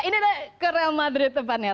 ini ada ke real madrid depannya